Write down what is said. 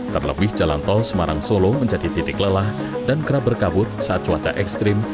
terlebih jalan tol semarang solo menjadi titik lelah dan kerap berkabut saat cuaca ekstrim